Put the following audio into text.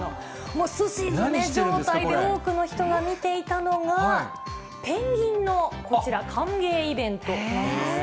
もうすし詰め状態で多くの人が見ていたのが、ペンギンのこちら、歓迎イベントなんです。